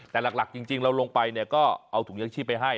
แต่หลักจริงเราลงไปเนี่ยก็เอาถุงยังชีพไปให้